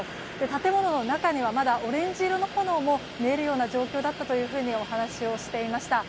建物の中にはまだオレンジ色の炎も見えるような状況だったとお話をしていました。